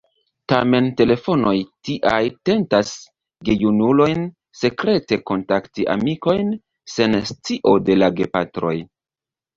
Tamen telefonoj tiaj tentas gejunulojn sekrete kontakti amikojn sen scio de la gepatroj.